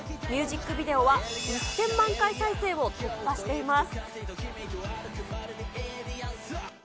ミュージックビデオは１０００万回再生を突破しています。